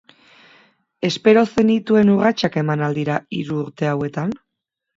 Espero zenituen urratsak eman al dira hiru urte hauetan?